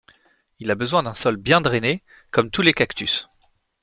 Il a besoin d'un sol bien drainé comme tous les cactus.